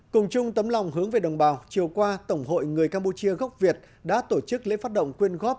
cùng chung tấm lòng hướng về đồng bào chiều qua tổng hội người campuchia gốc việt đã tổ chức lễ phát động quyên góp